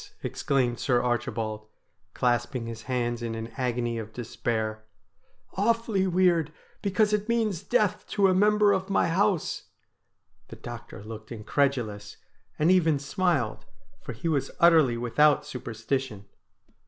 ' exclaimed Sir Archibald, clasping his hands in an agony of despair ;' awfully weird, because it means death to a member of my house.' The doctor looked incredulous, and even smiled, for he was utterly without superstition.